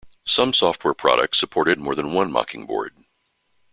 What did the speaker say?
Some software products supported more than one Mockingboard.